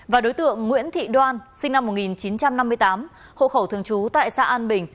và đối tượng nguyễn thị đoan sinh năm một nghìn chín trăm năm mươi tám hộ khẩu thường trú tại xã an bình